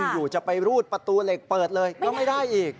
อยู่จะไปรูดประตูเหล็กเปิดเลยก็ไม่ได้อีก